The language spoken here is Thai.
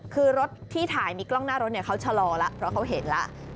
คือรถที่ถ่ายมีกล้องหน้ารถเขาชะลอแล้วเพราะเขาเห็นแล้ว